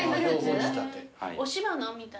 押し花みたい。